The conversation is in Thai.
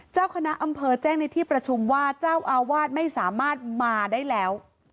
เจ้าคณะอำเภอแจ้งในที่ประชุมว่าเจ้าอาวาสไม่สามารถมาได้แล้ว